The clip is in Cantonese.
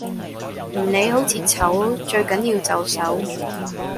唔理好似醜最緊要就手